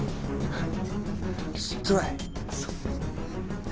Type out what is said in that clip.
はい。